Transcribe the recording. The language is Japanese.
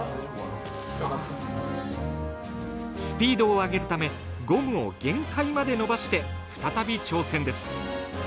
スピードを上げるためゴムを限界まで伸ばして再び挑戦です。